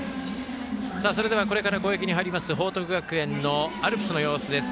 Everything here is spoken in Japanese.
それではこれから攻撃に入ります報徳学園のアルプスの様子です。